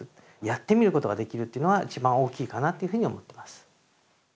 やってみることができるというのは一番大きいかなっていうふうに思ってます。